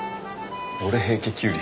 俺平家キュウリ